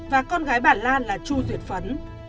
và con gái bà lan là chu duyệt phấn